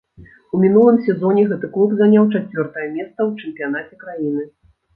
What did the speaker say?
У мінулым сезоне гэты клуб заняў чацвёртае месца ў чэмпіянаце краіны.